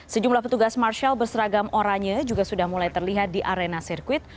sejumlah petugas marshall berseragam oranye juga sudah mulai terlihat di arena sirkuit